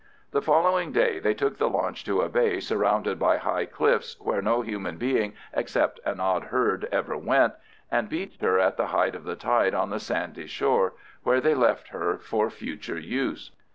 The following day they took the launch to a bay surrounded by high cliffs, where no human being except an odd herd ever went, and beached her at the height of the tide on the sandy shore, where they left her for future use.